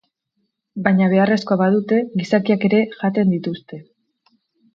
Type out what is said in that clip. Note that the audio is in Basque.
Baina beharrezkoa badute gizakiak ere jaten dituzte.